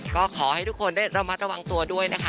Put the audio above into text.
ก็ขอให้ทุกคนช่วงได้ระวังตัวด้วยนะคะ